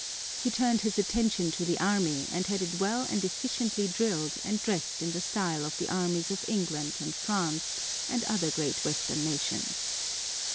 He turned his attention to the Army and had it well and efficiently drilled and dressed in the style of the armies of England and France and other great western nations.